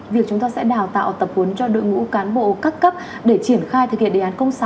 việc chúng ta sẽ đào tạo tập huấn cho đội ngũ cán bộ các cấp để triển khai thực hiện đề án sáu